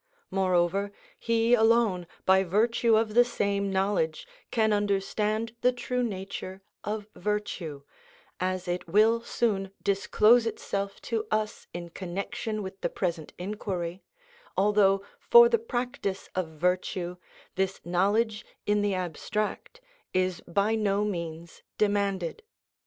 Moreover, he alone, by virtue of the same knowledge, can understand the true nature of virtue, as it will soon disclose itself to us in connection with the present inquiry, although for the practice of virtue this knowledge in the abstract is by no means demanded.